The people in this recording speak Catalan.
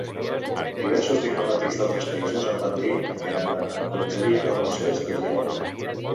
Diversos diplomàtics d’altres països em van dir que encoratjarien el procés de diàleg.